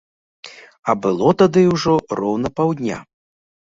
А было тады ўжо роўна паўдня.